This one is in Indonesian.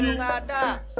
lo gak ada